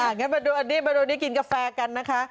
อ่ะงั้นมาดูอันนี้กินกาแฟกันนะคะ